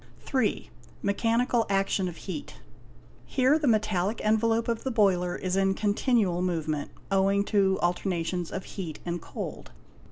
y. Mechanical action of heat. Here the metallic envelope of the boiler is in continual movement, owing to alternations of heat and cold.